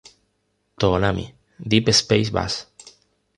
Toonami: Deep Space Bass